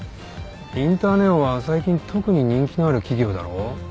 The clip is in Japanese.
インターネオは最近特に人気のある企業だろ？